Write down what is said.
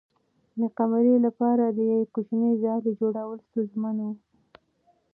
د قمرۍ لپاره د یوې کوچنۍ ځالۍ جوړول ستونزمن و.